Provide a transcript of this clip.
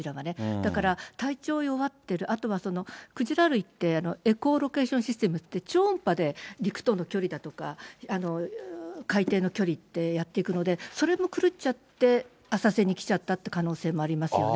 だから体調弱ってる、あとはクジラ類って、エコーロケーションシステムって、超音波で陸との距離だとか、海底の距離ってやっていくので、それも狂っちゃって浅瀬に来ちゃったっていう可能性もありますよね。